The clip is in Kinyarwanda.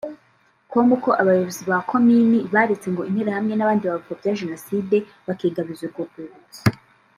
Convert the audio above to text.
com ko abayobozi ba komini baretse ngo interahamwe n’abandi bapfobya Jenoside bakigabiza urwo rwibutso